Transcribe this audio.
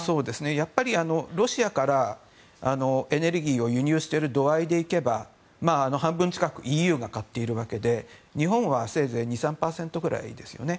やっぱりロシアからエネルギーを輸入している度合いで行けば半分近くＥＵが買っているわけで日本はせいぜい２３％ぐらいですよね。